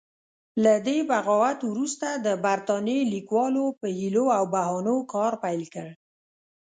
له دې بغاوت وروسته د برتانیې لیکوالو په حیلو او بهانو کار پیل کړ.